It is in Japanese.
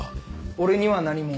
俺には何も。